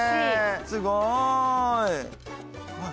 すごい！あ。